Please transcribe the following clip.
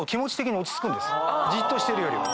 じっとしてるより。